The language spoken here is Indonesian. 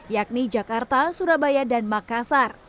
yakni jakarta surabaya dan makassar